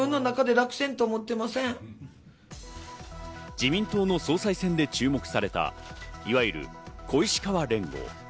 自民党の総裁選で注目されたいわゆる小石河連合。